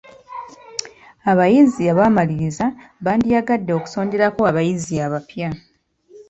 Abayizi abaamaliriza bandiyagadde okusonderako abayizi abapya.